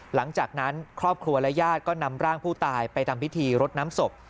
หลังจากนั้นครอบครัวและญาติก็นำร่างผู้ตายไปทำพิธีรดน้ำศพ